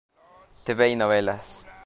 Tv y Novelas